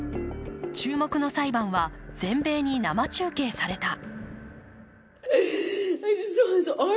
注目の裁判は全米に生中継された。